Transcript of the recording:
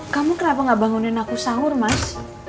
kamu kenapa gak bangunin aku sahur mas